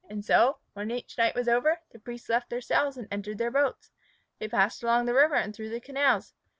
And so, when each night was over, the priests left their cells and entered their boats. They passed along the river and through the canals.